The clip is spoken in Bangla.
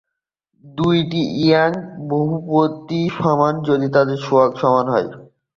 দুইটি লরেন্ট বহুপদী সমান যদি তাদের সহগ সমান হয়।